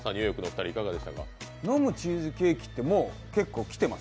飲むチーズケーキって結構来てます？